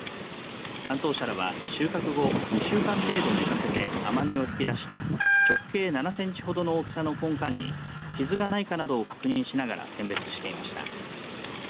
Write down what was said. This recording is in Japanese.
担当者らは収穫後２週間程度寝かせて甘みを引き出した直径７センチほどの大きさのぽんかんに傷がないかなどを確認しながら選別していました。